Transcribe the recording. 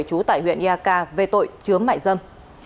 chú tại huyện ia ca về tội chướm mại dâm